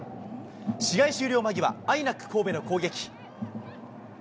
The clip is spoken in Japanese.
試合終了間際、アイナック神戸の攻撃。